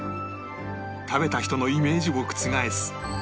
食べた人のイメージを覆す